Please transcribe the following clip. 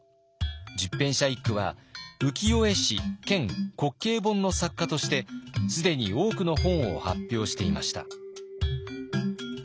十返舎一九は浮世絵師兼滑稽本の作家として既に多くの本を発表していました。